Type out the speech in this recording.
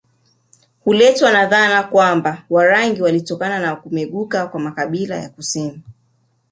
Huletwa na dhana kwamba Warangi walitokana na kumeguka kwa makabila ya kusini